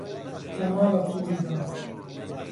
لە ماڵا توڕی داوە